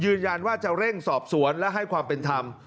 ยืนยันว่าจะเร่งสอบสวนและให้ความเป็นธรรม